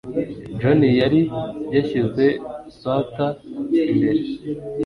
John yari yashyize swater imbere.